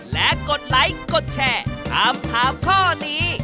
และกดไลค์กดแชร์ถามถามข้อนี้